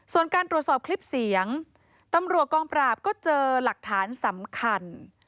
ส่วนการตรวจสอบคลิปเสียงตำรวจกองปราบก็เจอหลักฐานสำคัญ